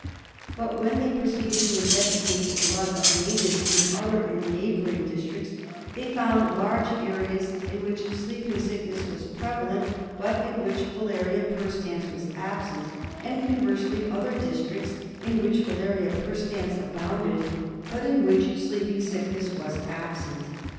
But when they proceeded to investigate the blood of natives in other and neighbouring districts, they found large areas in which Sleeping Sickness was prevalent but in which Filaria perstans was absent, and, con versely, other districts in which Filaria perstans abounded but in which Sleeping Sickness was absent.